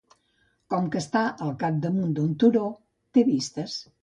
Com que està al capdamunt d'un turó, té vistes.